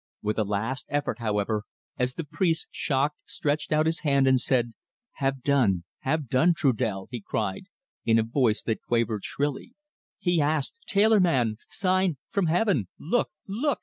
With a last effort, however as the priest, shocked, stretched out his hand and said: "Have done, have done, Trudel!" he cried, in a voice that quavered shrilly: "He asked tailor man sign from Heaven. Look look!"